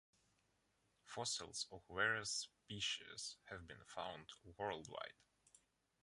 Fossils of various species have been found worldwide.